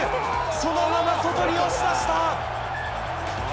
そのまま外に押し出した。